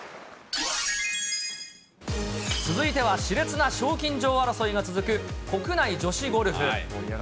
続いてはしれつな賞金女王争いが続く、国内女子ゴルフ。